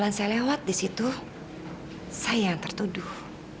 dan saat saya melawatnya saya yang tertuduh